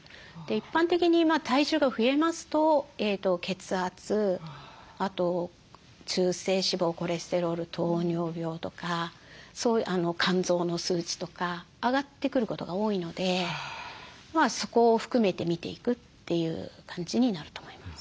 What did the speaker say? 一般的に体重が増えますと血圧あと中性脂肪コレステロール糖尿病とか肝臓の数値とか上がってくることが多いのでそこを含めて見ていくという感じになると思います。